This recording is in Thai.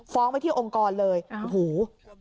ฟ้องไปที่องค์กรเลยหู